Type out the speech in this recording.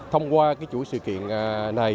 thông qua cái chủ sự kiện này